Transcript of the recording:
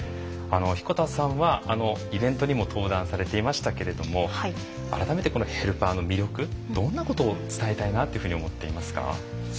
彦田さんはイベントにも登壇されていましたけれども改めてこのヘルパーの魅力どんなことを伝えたいなっていうふうに思っていますか？